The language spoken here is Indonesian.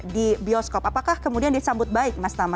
di bioskop apakah kemudian disambut baik mas tama